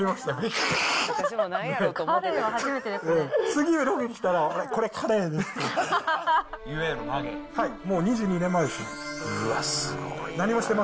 次にロケ来たら、これ、カレイですって。